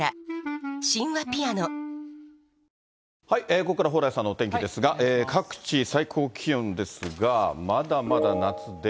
ここからは蓬莱さんのお天気ですが、各地、最高気温ですが、まだまだ夏で。